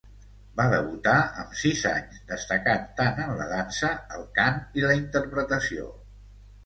Va debutar amb sis anys, destacant tant en la dansa, el cant i la interpretació.